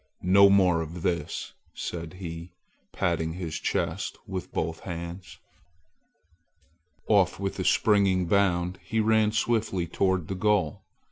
"No more of this!" said he, patting his chest with both hands. Off with a springing bound, he ran swiftly toward the goal.